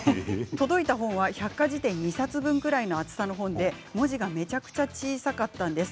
届いた本が百科事典２冊分ぐらいの厚さの本で文字がめちゃくちゃ小さかったんです。